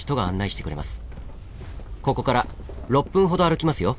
ここから６分ほど歩きますよ。